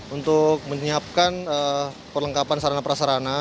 untuk menyiapkan perlengkapan sarana prasarana